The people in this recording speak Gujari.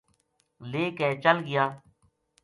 لے کے چل گیا